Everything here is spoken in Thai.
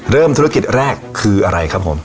ธุรกิจแรกคืออะไรครับผม